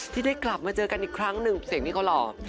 ที่ได้กลับมาเจอกันอีกครั้งหนึ่งเสียงที่เขาหล่อ